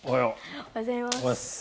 おはようございます。